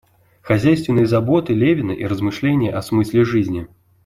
Хозяйственные заботы Левина и размышления о смысле жизни.